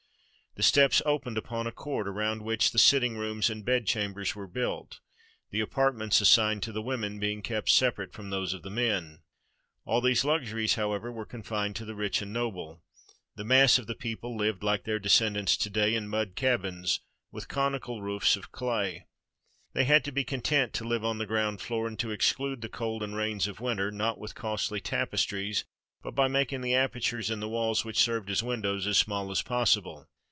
The steps opened upon a court around which the sitting rooms and bedchambers were built, the apartments assigned to the women being kept separate from those of the men. All these luxuries, however, were confined to the rich and noble. The mass of the people lived, like their de scendants to day, in mud cabins, with conical roofs of 477 MESOPOTAMIA clay. They had to be content to live on the ground floor, and to exclude the cold and rains of winter; not with costly tapestries, but by making the apertures in the walls which served as windows as small as possible.